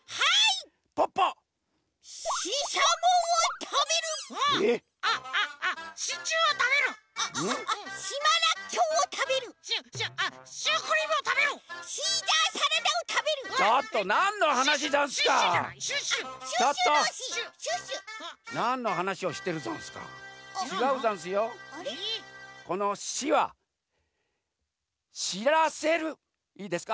いいですか？